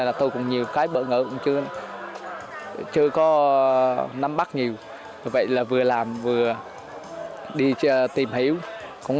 là tôi cũng nhiều cái bỡ ngỡ cũng chưa có nắm bắt nhiều vì vậy là vừa làm vừa đi tìm hiểu cũng